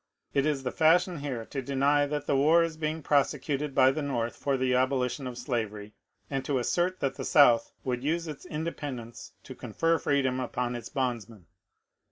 It is the fashion here to deny that the war is being prosecuted by the North for the abolition of slavery, and to assert that the South would use its independ ence to confer freedom upon its bondsmen.